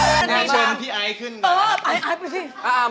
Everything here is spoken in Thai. เชิญพี่ไอขึ้นก่อนนะครับ